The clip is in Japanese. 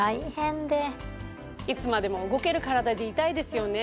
いつまでも動けるカラダでいたいですよね。